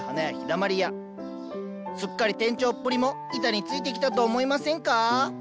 すっかり店長っぷりも板についてきたと思いませんか？